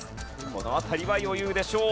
この辺りは余裕でしょう。